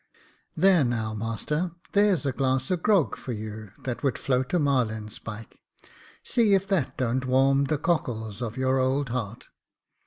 "There, now, master, there's a glass o' grog for you that would float a marline spike. See if that don't warm the cockles of your old heart."